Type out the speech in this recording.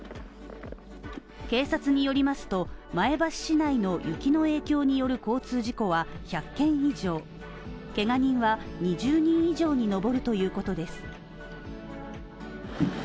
警察によりますと前橋市内の雪の影響による交通事故は１００件以上、けが人は２０人以上に上るということです。